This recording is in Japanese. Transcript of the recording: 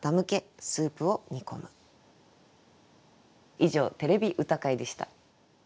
以上「てれび歌会」でした。